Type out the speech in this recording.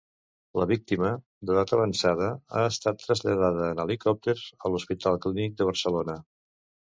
La víctima, d'edat avançada, ha estat traslladada en helicòpter a l'Hospital Clínic de Barcelona.